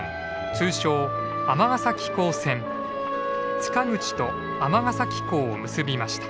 塚口と尼崎港を結びました。